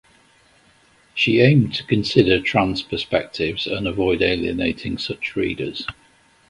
She aimed to consider trans perspectives and avoid alienating such readers.